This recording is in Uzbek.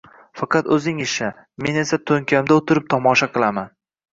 Faqat o’zing ishla, men esa to’nkamda o’tirib tomosha qilaman